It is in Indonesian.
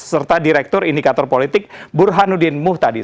serta direktur indikator politik burhanuddin muhtadi